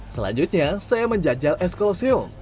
selanjutnya saya menjajal es kolseum